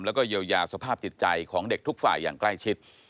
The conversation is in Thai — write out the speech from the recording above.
แล้วก็เยียวยาสภาพจิตใจของเด็กทุกฝ่ายอย่างใกล้ชิด